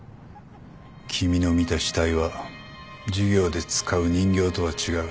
君の見た死体は授業で使う人形とは違う。